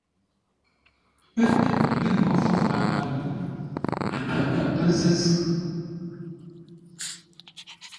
Pə́ tô lə́ no məfu a ghʉ̂, a ŋə̂ pə́ zʉ̂.